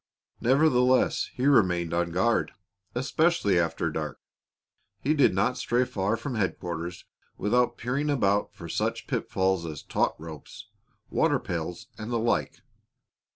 Nevertheless, he remained on guard, especially after dark. He did not stray far from headquarters without peering about for such pitfalls as taut ropes, water pails, and the like.